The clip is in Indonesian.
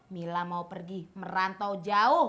mila mau pergi merantau jauh